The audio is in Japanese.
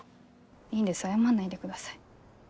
いいんです謝んないでください。